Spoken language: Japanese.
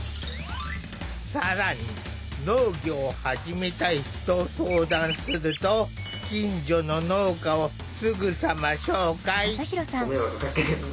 更に農業を始めたいと相談すると近所の農家をすぐさま紹介。